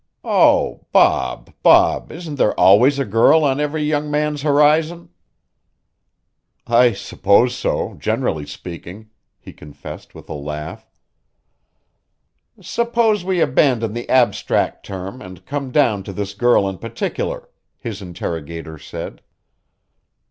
"Oh, Bob, Bob! Isn't there always a girl on every young man's horizon?" "I suppose so generally speaking," he confessed with a laugh. "Suppose we abandon the abstract term and come down to this girl in particular," his interrogator said.